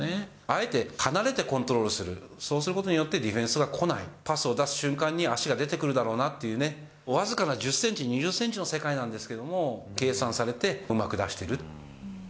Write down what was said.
あえて離れてコントロールする、そうすることによってディフェンスが来ない、パスを出す瞬間に、足が出てくるだろうなっていうね、僅かな１０センチ、２０センチの世界なんですけども、計算されてうまく出してる。